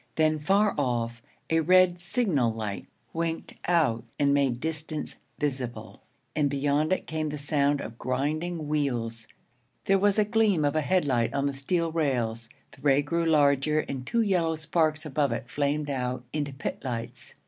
Then, far off, a red signal light winked out and made distance visible; and beyond it came the sound of grinding wheels; there was the gleam of a headlight on the steel rails. The ray grew larger and two yellow sparks above it flamed out into pit lights.